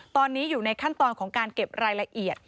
ตอนนี้อยู่ในขั้นตอนของการเก็บรายละเอียด